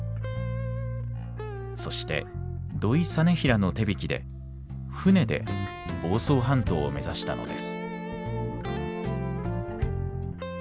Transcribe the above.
そして土肥実平の手引きで舟で房総半島を目指したのです。